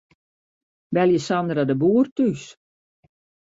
Belje Sandra de Boer thús.